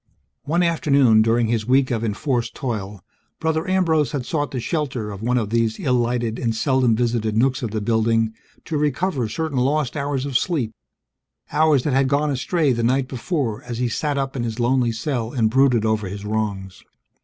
One afternoon during his week of enforced toil, Brother Ambrose had sought the shelter of one of these ill lighted and seldom visited nooks of the building to recover certain lost hours of sleep, hours that had gone astray the night before as he sat up in his lonely cell and brooded over his wrongs.